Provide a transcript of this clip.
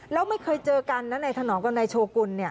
แล้วไม่เคยเจอกันนะนายถนอมกับนายโชกุล